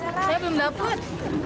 udah belum dapat